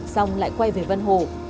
xong lại quay về vân hồ